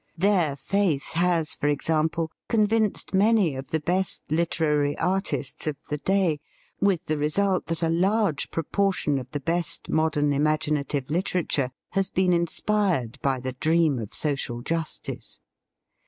Their faith has, for example, convinced many of the best literary artists of the day, with the result that a large proportion of the best modern imaginative liter ature has been inspired by the dream of THE FEAST OF ST FRIEND social justice.